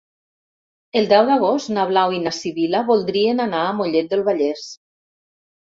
El deu d'agost na Blau i na Sibil·la voldrien anar a Mollet del Vallès.